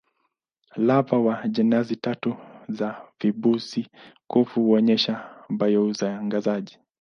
Lava wa jenasi tatu za visubi-kuvu huonyesha bio-uangazaji.